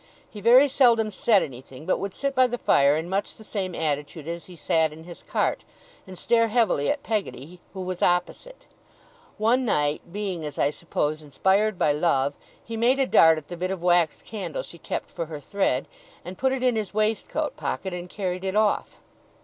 He very seldom said anything; but would sit by the fire in much the same attitude as he sat in his cart, and stare heavily at Peggotty, who was opposite. One night, being, as I suppose, inspired by love, he made a dart at the bit of wax candle she kept for her thread, and put it in his waistcoat pocket and carried it off.